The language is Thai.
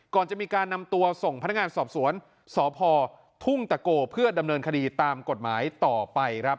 ก่อนจะมีการนำตัวส่งพนักงานสอบสวนสพทุ่งตะโกเพื่อดำเนินคดีตามกฎหมายต่อไปครับ